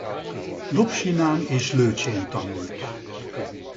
Dobsinán és Lőcsén tanult.